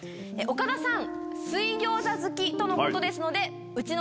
岡田さん。